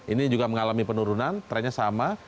ini juga mengalami penurunan trennya sama